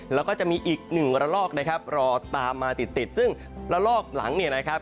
แล้วก็จะมีอีกหนึ่งระลอกนะครับรอตามมาติดติดซึ่งระลอกหลังเนี่ยนะครับ